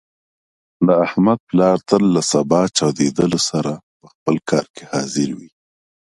د احمد پلار تل له صبح چودېدلو سره په خپل کار کې حاضر وي.